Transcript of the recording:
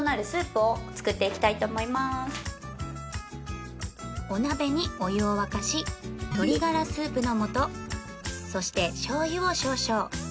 まずはお鍋にお湯を沸かし鶏ガラスープの素そしてしょう油を少々